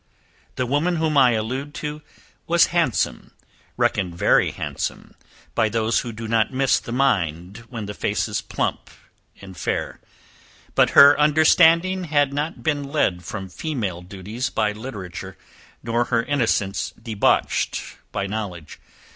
The woman whom I allude to was handsome, reckoned very handsome, by those who do not miss the mind when the face is plump and fair; but her understanding had not been led from female duties by literature, nor her innocence debauched by knowledge.